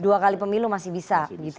dua kali pemilu masih bisa